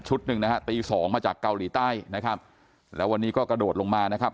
หนึ่งนะฮะตีสองมาจากเกาหลีใต้นะครับแล้ววันนี้ก็กระโดดลงมานะครับ